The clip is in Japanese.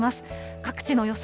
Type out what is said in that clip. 各地の予想